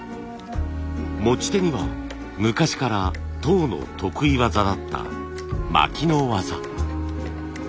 持ち手には昔から籐の得意技だった巻きの技。